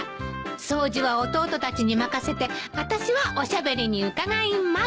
掃除は弟たちに任せてあたしはおしゃべりに伺います。